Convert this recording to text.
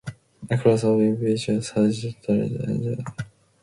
A class of individuals sued TransUnion under the Fair Credit Reporting Act.